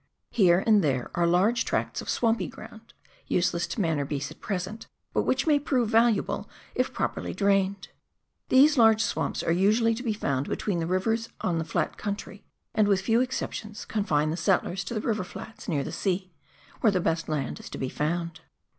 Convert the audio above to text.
Here and there are large tracts of swampy ground, useless to man or beast at present, but which may prove valuable if properly drained. These large swamps are usually to be found between the rivers on the flat country ; and, with few exceiDtions, confine the settlers to the river flats near the sea, where the best land is to be found.